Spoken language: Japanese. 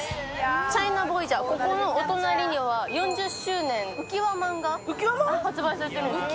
チャイナボイジャー、ここのお隣には４０周年うきわまんが発売されているんです。